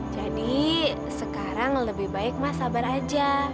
jadi sekarang lebih baik mas sabar aja